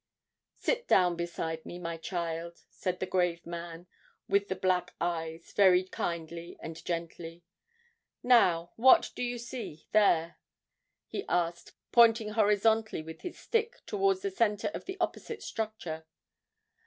'Sit down beside me, my child,' said the grave man with the black eyes, very kindly and gently. 'Now, what do you see there?' he asked, pointing horizontally with his stick towards the centre of the opposite structure.